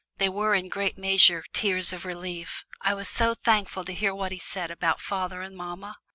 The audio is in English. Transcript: They were in great measure tears of relief I was so thankful to hear what he said about father and mamma.